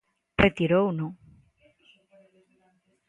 ¡Retirouno!